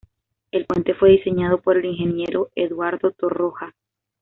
El puente fue diseñado por el ingeniero Eduardo Torroja.